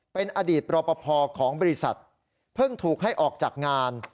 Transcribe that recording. เป็นอดีตรอปภของบริษัทเพิ่งถูกให้ออกจากงาน